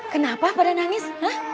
kenapa pada nangis